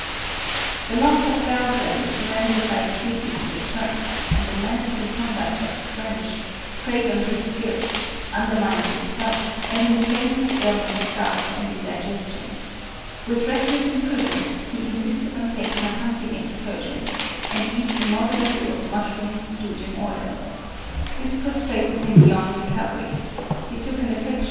The loss of Belgrade, surrendered by a treaty to the Turks, and the menacing conduct of the French, preyed on his spirits, undermined his health, and inflamed his ail ments of gout and indigestion. With reckless impru dence, he insisted on taking a hunting excursion, and eat immoderately of mushrooms stewed in oil. This prostrated him beyond recovery ; he took an affection 186 MARIA THERESA..